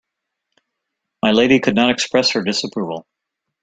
My lady could not express her disapproval.